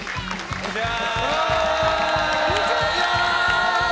こんにちは。